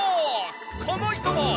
この人も。